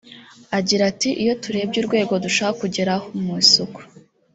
Agira ati “Iyo turebye urwego dushaka kugeraho (mu isuku)